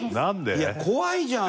いや怖いじゃん！